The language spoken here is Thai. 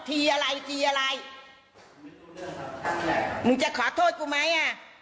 อีฟและอิฟเซอร์คราวด้วย